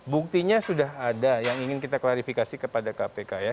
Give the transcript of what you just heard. buktinya sudah ada yang ingin kita klarifikasi kepada kpk ya